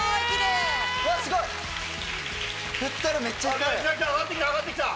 すごい！上がってきた上がってきた！